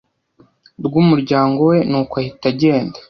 rwumuryango we nuko ahita agenda.